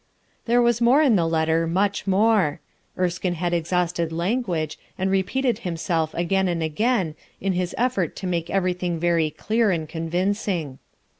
There was mom in the letter, much more. Erskine had exhausted language and repeated himself again and again in his effort to make everything very clear and convincing.